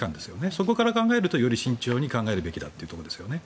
そこから考えると、より慎重に考えるべきだと思うんですね。